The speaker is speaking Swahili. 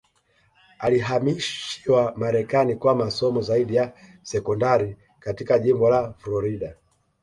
Alihamishiwa Marekani kwa masomo zaidi ya sekondari katika jimbo la Florida